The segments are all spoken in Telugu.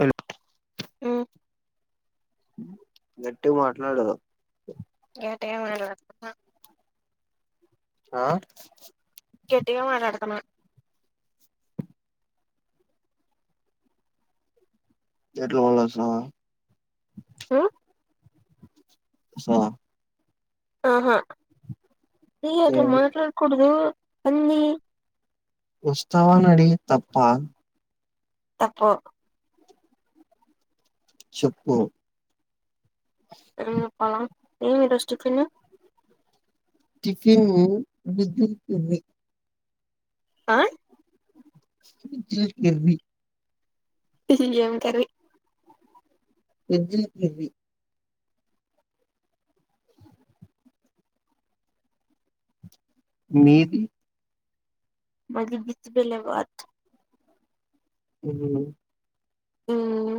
హలో ఓ గట్టిగా మాట్లాడు గట్టిగానే మాట్లాడుతున్నా ఆ గట్టిగా మాట్లాడుతన్నా గట్టిగా మాట్లాడ తున్నావా ఉమ్ సరే ఆహా ఏ అట్లా మాట్లాడుకూడదు అన్ని వస్తవా అని అడిగ్యా తప్పా తప్పు చెప్పు ఆ పోలా ఏది డస్టిబిన్ హ విద్యుత్ దుబై ఆ ఇ గర్మి ఏం కర్రి [unintelligible] మీది మాది బిస్బిల్లా వాట్ అహుమ్ ఉమ్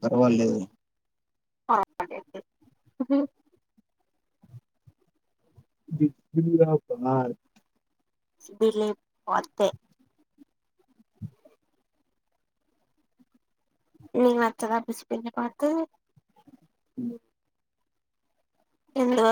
పర్వాలేదు పాడే ఉహుమ్ బిగా [unintelligible] సెటిల్ అయి పోతే నీకు నచ్చదా పసి పింది తోటి ఉమ్ ఎందు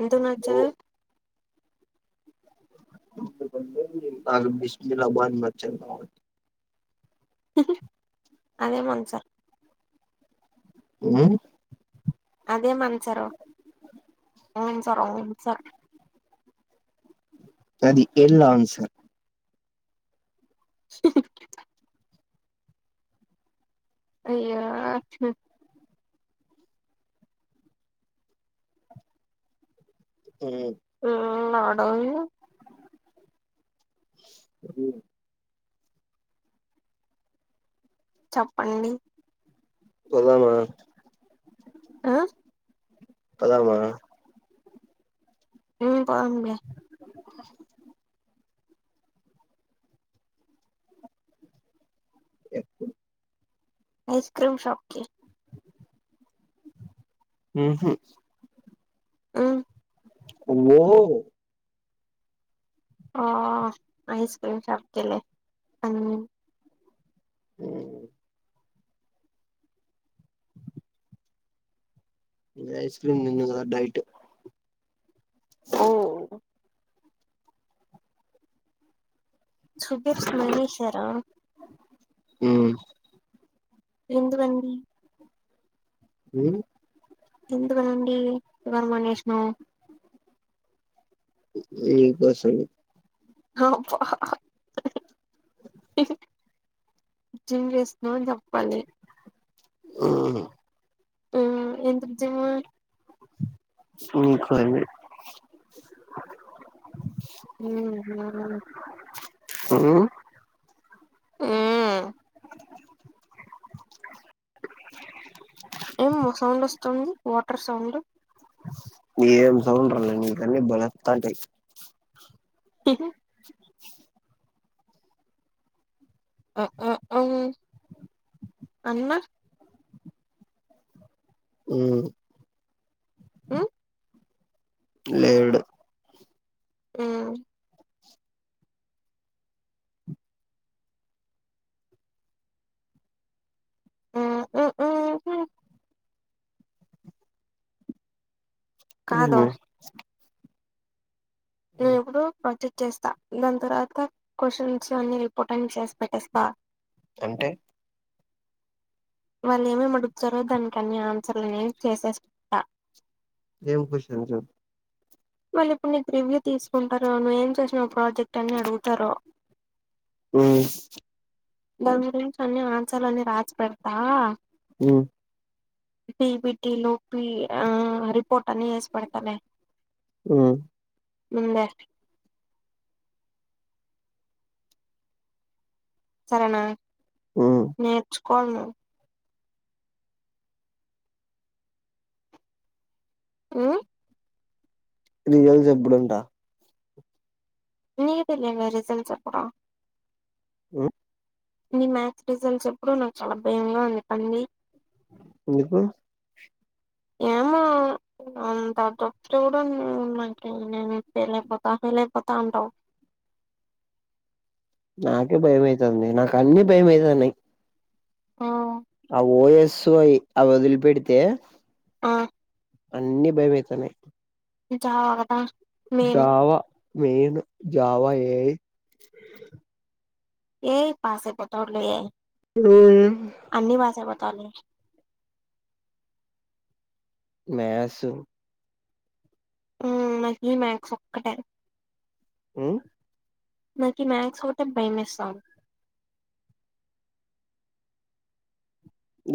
ఎందుకు నచ్చాలే ఆ బస్మిలా మ [unintelligible] అదే మన్ సార్ ఆమ్ అదే మన సారో అవును సారో అవును సారో అది ఇల్లా అన్సార్ అయ్యో అమ్ ఉందా ఆడోలు అమ్ చెప్పండి పోద్దామా ఆ పోద్దామా ఉమ్ పోద్దాం లే ఎకు ఐస్క్రీమ్ షాప్కి ఉహు ఆ ఓ ఆ ఐస్క్రీమ్ చెప్తిలే అ హు ఇ ఐస్ క్రీమ్ తున్ను కదా డైట్ ఓ సుబిర్స్ మానేశార హు ఎందుకండి ఊ ఎందుకునండి ఇవాళ మానేసినావ్ నీకోసం అబా జిమ్ చేస్తున్న అని చెప్పాలి ఆ ఊ ఎందుకు జిమ్ [unintelligible] ఉహు ఆ ఊ ఏం సౌండ్ వస్తుంది వాటర్ సౌండ్ ఏం సౌండ్ రాలే నీకు అన్నీ బలే వస్తుంటాయి ఆ అన్న ఊ హు లేడు ఊ ఆ [inaudible] కాదు ఏమి [unintelligible] ప చేస్తా దాని తర్వాత క్వశ్చన్స్ అన్ని రిపోర్ట్ అని చేసి పెట్టేస్తా అంటే వాళ్ళు ఏమేమి అడుగుతారో దానికి అన్ని ఆన్సర్లనే చేసేస్త ఏం క్వాషన్స్ చెప్పు మళ్ళీ ఇప్పుడు నీకు రివ్యూ తీసుకుంటారు నువ్వు ఏం చేసినా ప్రాజెక్ట్ అన్ని అడుగుతారు దాని గురించి అన్ని ఆన్సర్లు అన్ని రాసి పెడతా హు పిపిటిలు పి రిపోర్టన్ని చేసి పెడతలే ఆ ఉందె సరేనా నేర్చు కొను ఆ రిజల్ చెప్పుడుంట రిజల్ట్స్ అప్పుడు ఉ నీ మ్యాథస్ రిజల్ట్స్ ఎప్పుడు నాకు చాలా భయంగా ఉంది కని నికు ఏము అంత చెప్తు కూడ మనకేం చేయలేక పోతా నాకే భయమయితుంది నాకన్నిీ భయ మయితున్నాయి సో అయి అవి వదిలి పెడితే ఆ అన్నిీ భయమయితున్నాయి. చాల జావ మైన్ జావ ఏ ఐ ఏ ఐ పాస పెఠడు లో ఉఏ తనుే మా సు ఉమ్యాక్స్ ఒక్కటే ఉ నాకి మ్యాక్స్ హోట భైమిస్తం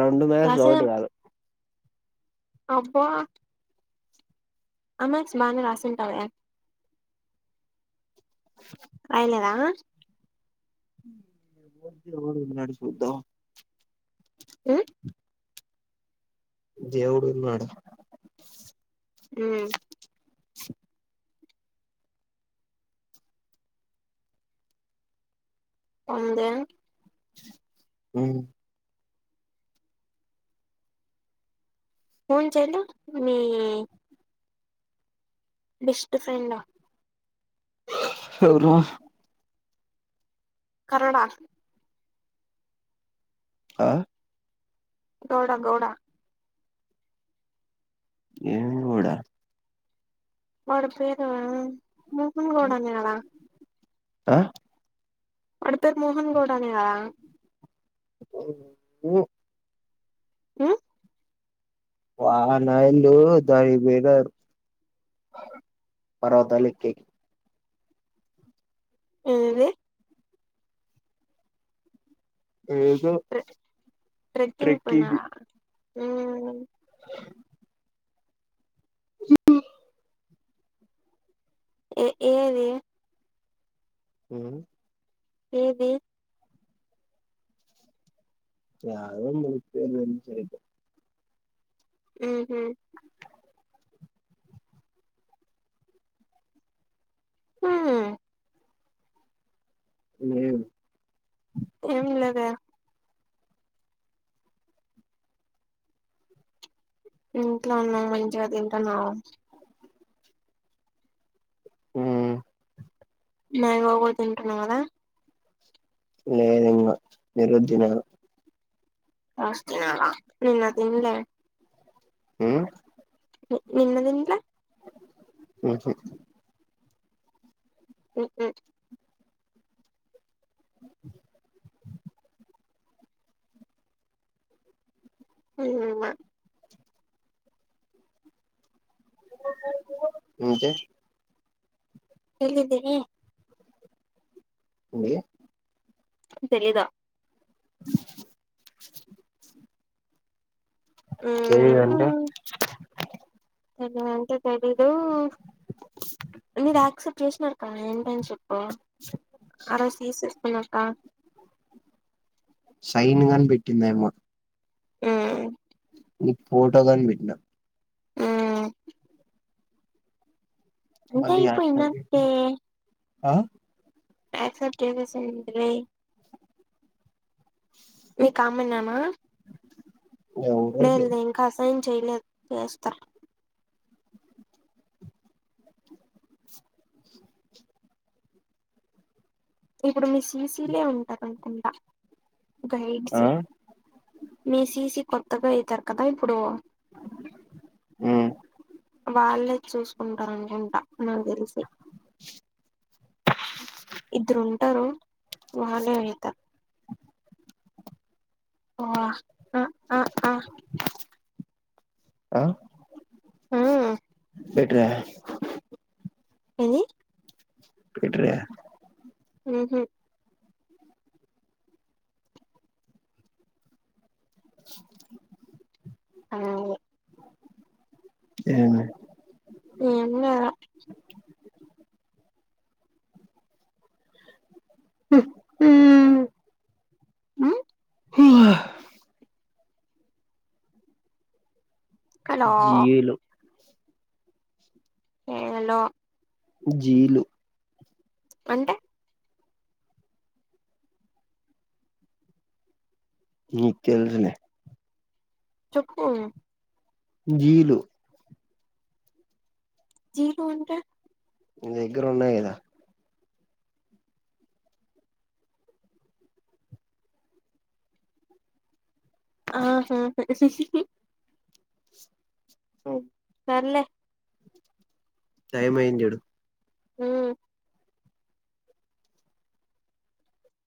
రెండు మ్యాస్ ఒకటి రాసేదాం కాదు అబ్బా అమస్ బనర్ రాసి కావయా అయలద విడు నడుచుసద్దా ఆ దేవుడు వు నా డు ఉమ్ చక్ ఉందె ఉ ఫాన్‌ చెయినా మీ బెస్ట్ ఫ్రెండ్ా యి వ్రువునా కరడా ఆ గౌడా గౌడా ఏ మికూడా మడ పేరు మూహన్గడనేడా ఆ పడ త న్‌ మోహన్ గౌడనే న ఊ ఉ వాన ఇలు దాడి బర [inaudible] పర్వతాలెక్కి ఏది ఏదో ట్రెక్కింగ్ పనా హ్మ్మ్ ఏ ఏది హ్మ్మ్ ఏది ద మురు [inaudible] ఉహు హ్మ్మ్ హుమ్మ్ ఎం లేదే ఇంట్లో ఉన్నావు మంచిగా తింటున్నావు నేయి బొమొ తింటున్న గదా లేదుంగా ఈరోజు తినాలా తినాలా నిన్న తిన్లే హ్మ్మ్ నిన్న దిన్లే ఉహు ఉ ఉ ఉమా అంటే వెళ్ళిది ఏంది తెలీదా ఉమ్ తెలిదంటే త అంటే తెలీదు మీరు యాక్సెప్ట్ చేసినారు కద ఏంటని చెప్ప అ అర సీస్కక్కా [inaudible] సైన్ గని పెట్టిందేమో హుమ్మ్ నీ ఫోటో గనిపెట్టిన హ్మ్మ్ మళ్ళీ ఆ ఇప్పుడు ఇందాకే యాక్సెప్ట్ చేసేసియంటిని మీ కామన్నామా ఎవరో లేదులే తెలీదు ఇంకా అసైన్ చేయలేదు చేస్తా ఇప్పుడు మీ సీసీలే ఉంటారు అనుకుంటా గైడ్స్ ఆ మీసీసిీ కొత్తగా అవుతారు కదా ఇప్పుడు హ్మ్మ్ వాళ్ళే చూసుకుంటారనుకుంటా నాకు తెలిసి ఇద్దరుంటారు వాళ్ళేవేత ఓ ఆ ఆ పెట్టావ్ ఏనీ పెటర్ ఉహు ఆ ఏమి యనియా ఉహు ఉ ఓహ హలో జీలు ఏలో జీలు అంటే నీక్ తెలుసులే చెప్పు జీలు జీలు అంటే మీ దగ్గర ఉన్నాయి కదా ఆహా ఉ సరేలే టైం అయింది చూడు ఉ